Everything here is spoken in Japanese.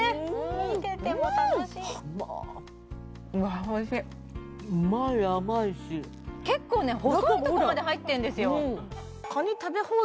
見てても楽しいうまい甘いし結構ね細いとこまで入ってるんですよ